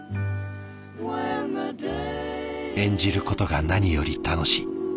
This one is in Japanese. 「演じることが何より楽しい」。